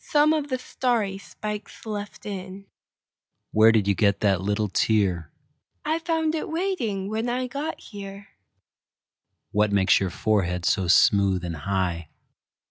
Some of the starry spikes left in. Where did you get that little tear?I found it waiting when I got here. What makes your forehead so smooth and high?